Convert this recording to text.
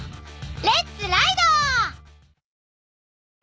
レッツライド！